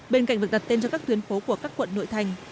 bên cạnh việc đặt tên cho các tuyến phố của các quận nội thành